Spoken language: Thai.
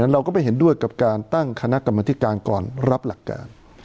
เราก็ไม่เห็นด้วยกับการตั้งคณะกรรมธิการก่อนรับหลักการ